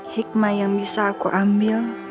hikmah yang bisa aku ambil